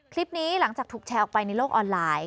หลังจากถูกแชร์ออกไปในโลกออนไลน์